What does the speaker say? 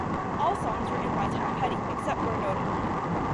All songs written by Tom Petty, except where noted.